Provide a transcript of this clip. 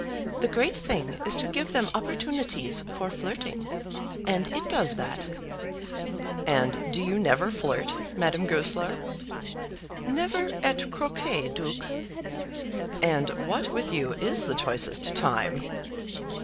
The great thing is to give them opportunities for flirting, and it does that." "And do you never flirt, Madame Goesler?" "Never at croquet, Duke." "And what with you is the choicest time?"